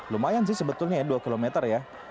lumayan sih sebetulnya ya dua kilometer ya